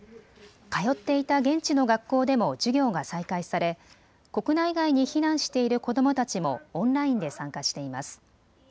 通っていた現地の学校でも授業が再開され、国内外に避難している子どもたちもオンラインで参加しています。